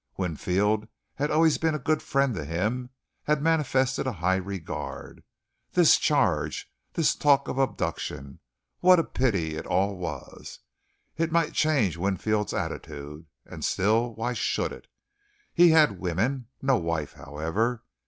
Winfield had always been a good friend to him, had manifested a high regard. This charge, this talk of abduction. What a pity it all was. It might change Winfield's attitude, and still why should it? He had women; no wife, however.